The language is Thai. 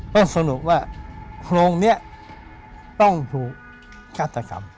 แล้วต้องสะหนุกว่าโรงนี้ต้องถูกค้าตกรรม